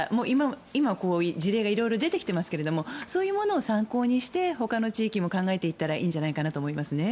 今、こういう事例が色々出てきていますがそういうものを参考にしてほかの地域も考えていったらいいんじゃないかなと思いますね。